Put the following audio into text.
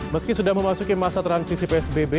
meski sudah memasuki masa transisi psbb